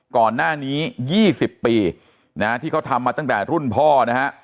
ก่อนหน้านี้๒๐ปีนะฮะที่เขาทำมาตั้งแต่รุ่นพ่อนะฮะ